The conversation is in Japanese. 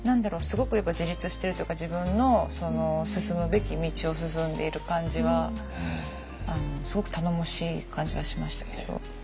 すごくやっぱ自立してるというか自分の進むべき道を進んでいる感じはすごく頼もしい感じはしましたけど。